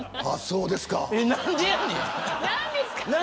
あっ、そうですか。